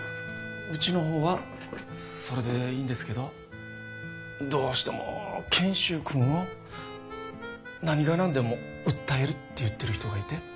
うちの方はそれでいいんですけどどうしても賢秀君を何が何でも訴えるって言ってる人がいて。